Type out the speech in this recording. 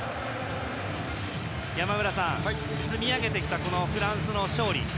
山村さん、積み上げてきたフランスの勝利。